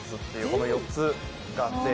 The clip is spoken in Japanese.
この４つがあって。